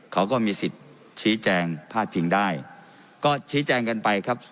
เขาก็มีสิทธิ์ชี้แจงพาดพิงได้ก็ชี้แจงกันไปครับ